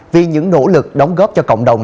vì những nỗ lực đóng góp cho cộng đồng